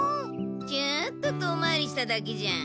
ちょっと遠回りしただけじゃん。